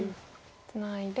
ツナいで。